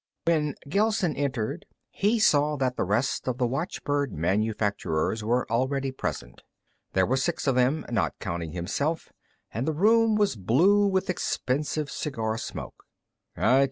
_ When Gelsen entered, he saw that the rest of the watchbird manufacturers were already present. There were six of them, not counting himself, and the room was blue with expensive cigar smoke.